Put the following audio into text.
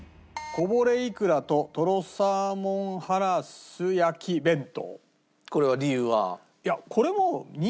こぼれイクラととろサーモンハラス焼き弁当